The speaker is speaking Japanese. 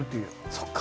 そっか。